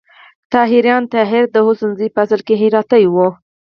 طاهریان: طاهر د حسین زوی په اصل کې هراتی و.